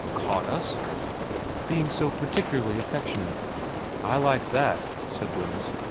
' Caught us ?'* Being so particularly affectionate.' ' I like that/ said Wemyss.